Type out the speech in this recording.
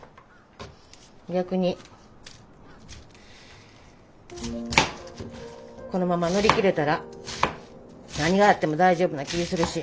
逆にこのまま乗り切れたら何があっても大丈夫な気ぃするし。